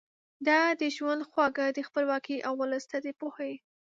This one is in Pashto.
ده د ژوند خواږه د خپلواکۍ او ولس ته د پوهې